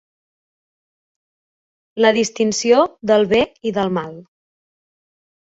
La distinció del bé i del mal.